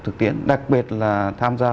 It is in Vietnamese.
thực tiễn đặc biệt là tham gia